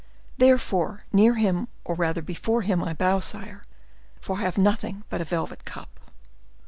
Therefore, near him, or rather before him, I bow, sire, for I have nothing but a velvet cap."